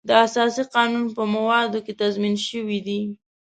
د اساسي قانون په موادو کې تضمین شوی دی.